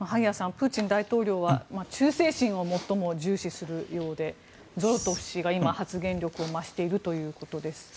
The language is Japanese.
プーチン大統領は忠誠心を最も重視するようでゾロトフ氏が今、発言力を増しているということです。